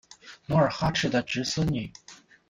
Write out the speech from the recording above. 努尔哈赤的侄孙女。